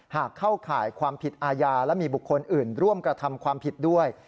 เข้าข่ายความผิดอาญาและมีบุคคลอื่นร่วมกระทำความผิดด้วย